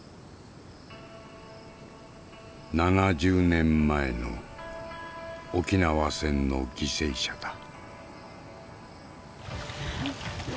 ７０年前の沖縄戦の犠牲者だ。